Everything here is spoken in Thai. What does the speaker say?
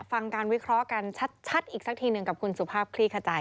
ฟังการวิเคราะห์กันชัดอีกสักทีหนึ่งกับคุณสุภาพคลี่ขจาย